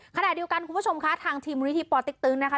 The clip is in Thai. ขณะเดียวกันคุณผู้ชมคะทางทีมมูลนิธิปอติ๊กตึงนะคะ